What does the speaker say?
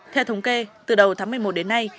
theo thống kê từ đầu tháng một mươi một đến nay